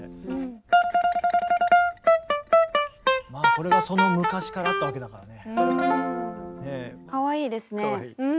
これがその昔からあったわけだからね。